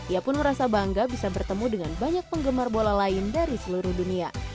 ia pun merasa bangga bisa bertemu dengan banyak penggemar bola lain dari seluruh dunia